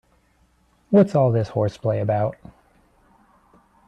What's all this horseplay about?